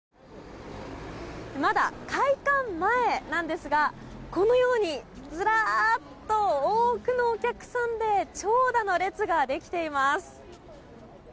まだ開館前なんですがこのように、ずらーっと多くのお客さんで長蛇の列ができています。